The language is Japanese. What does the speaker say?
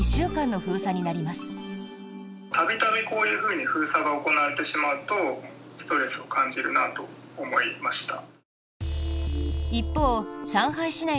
度々こういうふうに封鎖が行われてしまうとストレスを感じるなと思いました。